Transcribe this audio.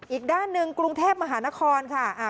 อีกด้านหนึ่งกรุงเทพมหานครค่ะ